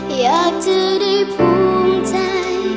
อยากจะได้ภูมิใจ